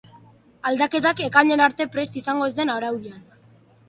Aldaketak, ekainera arte prest izango ez den araudian.